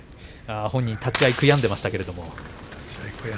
本人は立ち合い悔やんでましたけども。